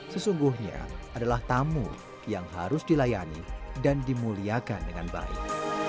sesungguhnya adalah tamu yang harus dilayani dan dimuliakan dengan baik